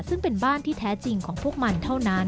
ซึ่งเป็นบ้านที่แท้จริงของพวกมันเท่านั้น